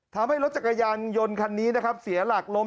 ทำให้รถจักรยานยนต์คันนี้นะครับเสียหลักล้ม